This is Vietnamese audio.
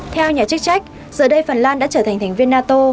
theo nhà chức trách giờ đây phần lan đã trở thành thành viên nato